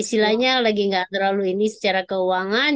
istilahnya lagi nggak terlalu ini secara keuangan